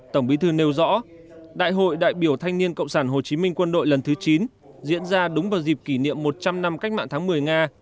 tổng bí thư nêu rõ đại hội đại biểu thanh niên cộng sản hồ chí minh quân đội lần thứ chín diễn ra đúng vào dịp kỷ niệm một trăm linh năm cách mạng tháng một mươi nga